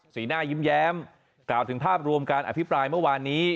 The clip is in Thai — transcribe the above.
สีหน้ายิ้มแย้มกล่าวถึงภาพรวมการอภิปรายเมื่อวานนี้